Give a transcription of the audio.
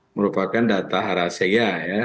merupakan data rahasia ya